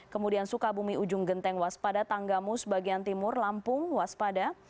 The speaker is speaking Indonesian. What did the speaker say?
kemudian sukabumi ujung genteng waspada tanggamus bagian timur lampung waspada